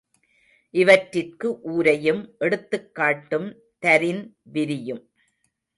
இவற்றிற்கு உரையும் எடுத்துக்காட்டும் தரின் விரியும்.